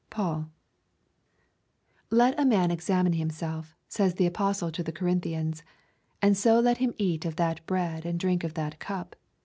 Paul. Let a man examine himself, says the apostle to the Corinthians, and so let him eat of that bread and drink of that cup.